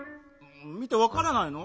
見てわからないの？